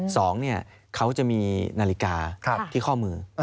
สองเนี่ยเขาจะมีนาฬิกาที่ข้อมือ